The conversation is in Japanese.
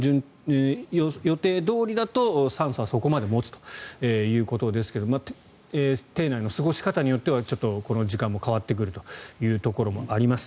予定どおりだと、酸素はそこまで持つということですが艇内の過ごし方によってはこの時間も変わってくるところはあります。